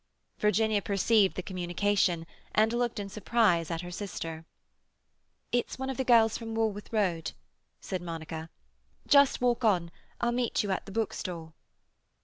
Virginia perceived the communication, and looked in surprise at her sister. "It's one of the girls from Walworth Road," said Monica. "Just walk on; I'll meet you at the bookstall."